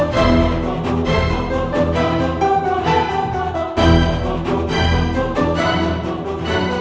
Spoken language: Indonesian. kau treated ma'am dari sederhana